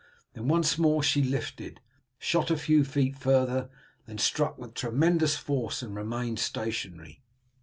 Then once more she lifted, shot a few feet further, then struck with tremendous force and remained stationary.